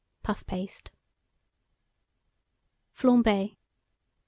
Puff paste. FLAMBER.